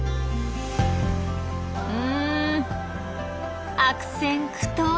うん悪戦苦闘！